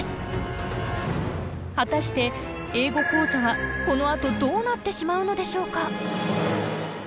果たして「英語講座」はこのあとどうなってしまうのでしょうか？